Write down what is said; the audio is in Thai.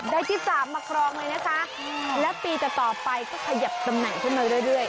ได้ที่สามมาครองเลยนะคะแล้วปีต่อไปก็ขยับตำแหน่งขึ้นมาเรื่อย